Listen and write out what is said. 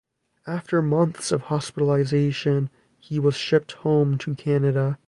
After months of hospitalisation, he was shipped home to Canada.